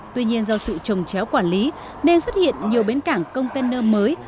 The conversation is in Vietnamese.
tuy nhiên do sự trồng chéo quản lý nên xuất hiện nhiều bến cảng container mới